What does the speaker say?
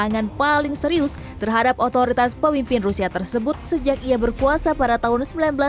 kemenangan paling serius terhadap otoritas pemimpin rusia tersebut sejak ia berkuasa pada tahun seribu sembilan ratus sembilan puluh